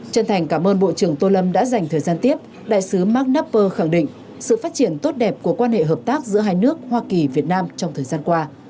chân thành cảm ơn bộ trưởng tô lâm đã dành thời gian tiếp đại sứ marknapper khẳng định sự phát triển tốt đẹp của quan hệ hợp tác giữa hai nước hoa kỳ việt nam trong thời gian qua